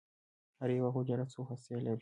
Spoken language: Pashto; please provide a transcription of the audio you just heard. هره یوه حجره څو هستې لري.